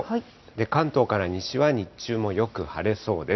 関東から西は日中もよく晴れそうです。